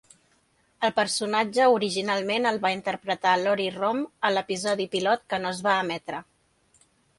El personatge originalment el va interpretar Lori Rom a l'episodi pilot que no es va emetre.